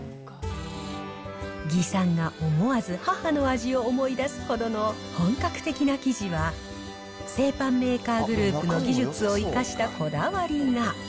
魏さんが思わず母の味を思い出すほどの本格的な生地は、製パンメーカーグループの技術を生かしたこだわりが。